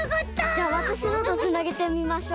じゃわたしのとつなげてみましょう。